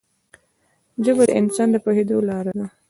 ژبه د انسان د پوهېدو لاره ده